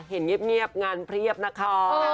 เห็นเงียบงานเพียบนะคะ